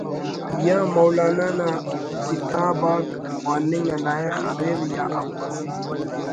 یا مولانا نا کتاب آک خواننگ نا لائخ اریر یا افس